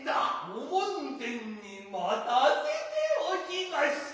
御門前に待たせておきました。